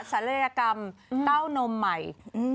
ศัลยกรรมเต้านมใหม่